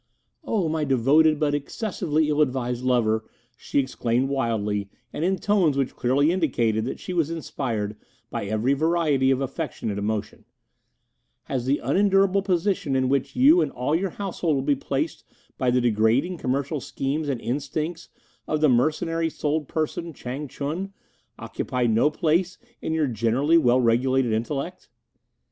"Oh, my devoted but excessively ill advised lover," she exclaimed wildly, and in tones which clearly indicated that she was inspired by every variety of affectionate emotion, "has the unendurable position in which you and all your household will be placed by the degrading commercial schemes and instincts of the mercenary souled person Chang ch'un occupied no place in your generally well regulated intellect?